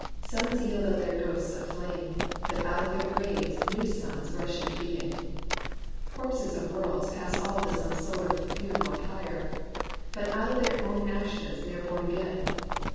Suns yield up their ghosts of flame ; but out of their graves new suns rush into being. Corpses of worlds pass all to some solar fu neral pyre ; but out of their own ashes they are born again.